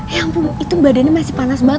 ya ampun itu badannya masih panas banget